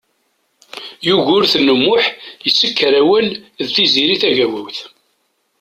Yugurten U Muḥ isekker awal d Tiziri Tagawawt.